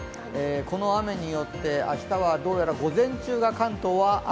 この雨によって明日はどうやら午前中が関東は雨。